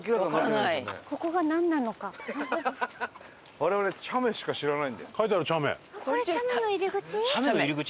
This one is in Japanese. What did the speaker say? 我々茶目しか知らないんで。